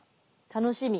楽しみ。